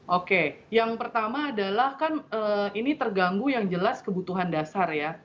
oke yang pertama adalah kan ini terganggu yang jelas kebutuhan dasar ya